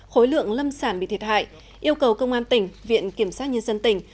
khối lượng lâm sản bị thiệt hại yêu cầu công an tỉnh viện kiểm sát nhân dân tỉnh